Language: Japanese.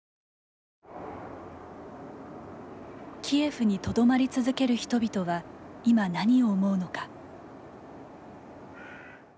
キエフにとどまり続ける人々は今、何を思うのか。